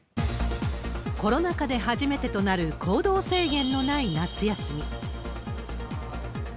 コロナ禍で初めてとなる、行動制限のない夏休み。